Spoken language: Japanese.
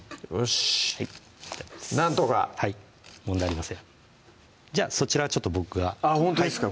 しっなんとか問題ありませんじゃあそちらはちょっと僕があっほんとですか